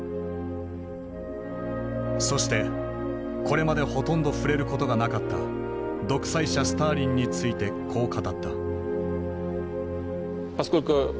そしてこれまでほとんど触れることがなかった独裁者スターリンについてこう語った。